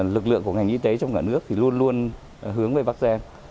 lực lượng của ngành y tế trong cả nước thì luôn luôn hướng về bắc giang